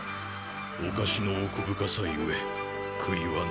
おかしのおくぶかさゆえくいはない。